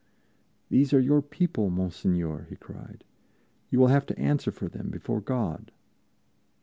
"These are your people, Monseigneur!" he cried; "you will have to answer for them before God."